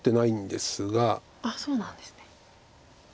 あっそうなんですね。